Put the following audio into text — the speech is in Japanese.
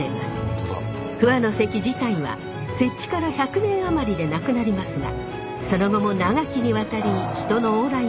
不破関自体は設置から１００年余りで無くなりますがその後も長きにわたり人の往来を制限。